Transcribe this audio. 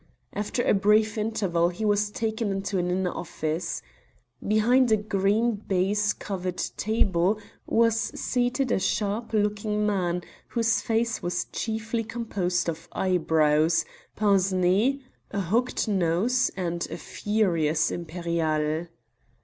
After a brief interval he was taken into an inner office. Behind a green baize covered table was seated a sharp looking man, whose face was chiefly composed of eyebrows, pince nez, a hooked nose, and a furious imperiale.